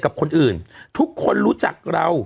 กับคนอื่นทุกคนรู้จักเรา